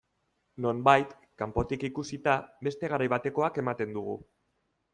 Nonbait, kanpotik ikusita, beste garai batekoak ematen dugu.